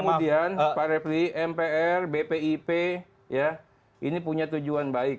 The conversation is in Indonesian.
kemudian pak refli mpr bpip ini punya tujuan baik